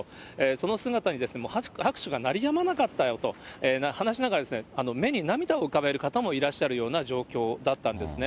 その姿に拍手が鳴りやまなかったよと話しながら、目に涙を浮かべるような方もいらっしゃる状況だったんですね。